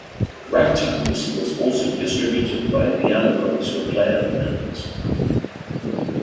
Ragtime music was also distributed via piano rolls for player pianos.